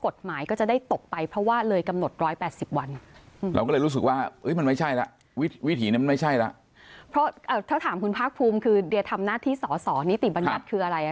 เพราะถ้าถามคุณภาคภูมิคือเดียทำหน้าที่สอสอนิติบัญญัติคืออะไร